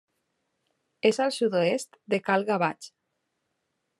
És al sud-oest de Cal Gavatx.